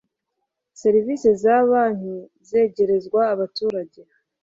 serivise za banki zegerezwa abaturage